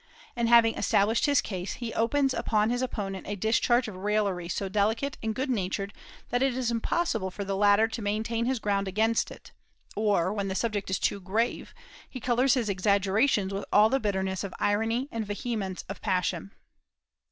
And having established his case, he opens upon his opponent a discharge of raillery so delicate and good natured that it is impossible for the latter to maintain his ground against it; or, when the subject is too grave, he colors his exaggerations with all the bitterness of irony and vehemence of passion."